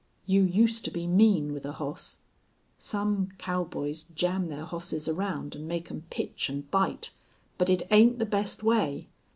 You used to be mean with a hoss. Some cowboys jam their hosses around an' make 'em pitch an' bite. But it ain't the best way.